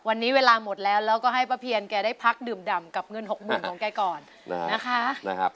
วันนี้เวลาหมดแล้วแล้วก็ให้พระเพียรแกได้พักดื่มดำกับเงิน๖๐๐๐๐ของแก่ก่อนน่ะค่ะนะครับ